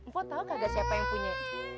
bo tau kagak siapa yang punya